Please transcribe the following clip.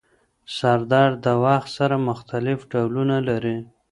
سردرد د وخت سره مختلف ډولونه لري.